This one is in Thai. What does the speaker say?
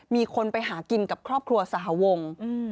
มีคนไปหากินกับครอบครัวสหวง